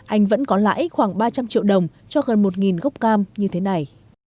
anh vẫn có lãi khoảng ba trăm linh triệu đồng cho gần một gốc cam như thế này